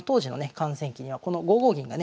観戦記にはこの５五銀がね